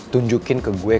tunjukin ke gue